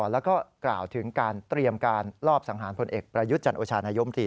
แล้วก็กล่าวถึงการเตรียมการลอบสังหารพลเอกประยุทธ์จันโอชานายมตรี